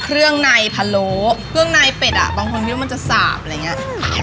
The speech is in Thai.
เครื่องในพะโล้เครื่องในเป็ดอ่ะบางคนคิดว่ามันจะสาบอะไรอย่างนี้